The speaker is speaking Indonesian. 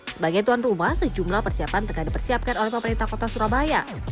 sebagai tuan rumah sejumlah persiapan tengah dipersiapkan oleh pemerintah kota surabaya